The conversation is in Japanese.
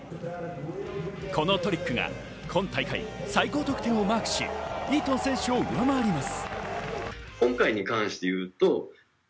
このトリックが今大会、最高得点をマークし、イートン選手を上回ります。